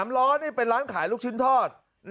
๓ล้อนี่เป็นร้านขายลูกชิ้นทอด